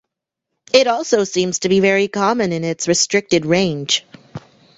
It also seems to be very common in its restricted range.